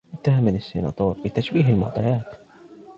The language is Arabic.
اتهمني السيناتور بتشويه المعطيات.